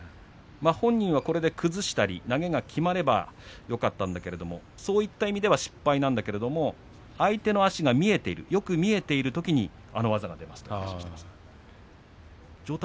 本人はこれで崩したり投げがきまればよかったんだけれども、そういった意味では失敗なんだけれども相手の足がよく見えているときにあの技が出ますと話していました。